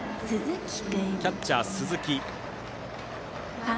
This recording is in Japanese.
キャッチャーは鈴木。